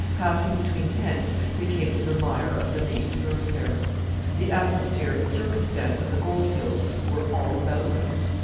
Passing between tents, they came to the mire of the main thoroughfare. The atmosphere and circumstance of the goldfields were all about them.